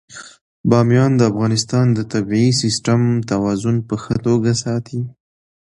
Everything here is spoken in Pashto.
بامیان د افغانستان د طبعي سیسټم توازن په ښه توګه ساتي.